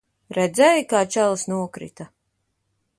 Redzēji, kā čalis nokrita?